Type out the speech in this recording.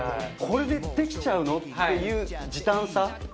これでできちゃうの！？っていう時短さ。